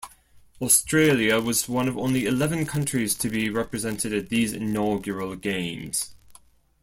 Australia was one of only eleven countries to be represented at these inaugural Games.